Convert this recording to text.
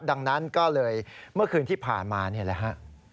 ดังนั้นก็เลยเมื่อคืนที่ผ่านมานี่แหละฮะ